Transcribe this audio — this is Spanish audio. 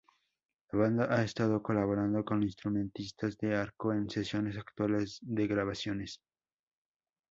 La banda ha estado colaborando con instrumentistas de arco en sesiones actuales de grabaciones.